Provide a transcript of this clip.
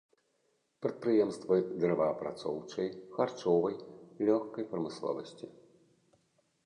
Прадпрыемствы дрэваапрацоўчай, харчовай, лёгкай прамысловасці.